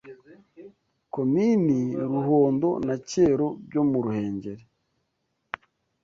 Komini Ruhondo na Cyeru byo mu Ruhengeri